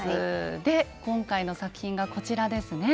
で今回の作品がこちらですね。